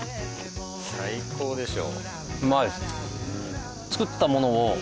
最高でしょ。